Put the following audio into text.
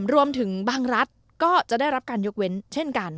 รวมถึงบางรัฐก็จะได้รับการยกเว้นเช่นกัน